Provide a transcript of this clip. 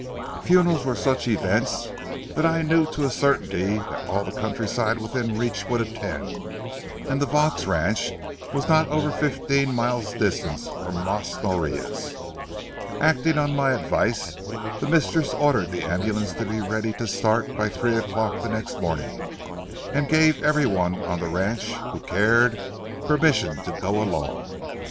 Funerals were such events that I knew to a certainty that all the countryside within reach would attend, and the Vaux ranch was not over fifteen miles distant from Las Norias. Acting on my advice, the mistress ordered the ambulance to be ready to start by three o'clock the next morning, and gave every one on the ranch who cared, permission to go along.